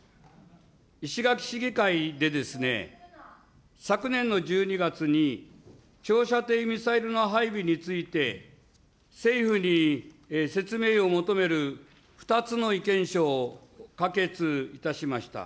石垣市議会で、昨年の１２月に長射程ミサイルの配備について、政府に説明を求める２つの意見書を可決いたしました。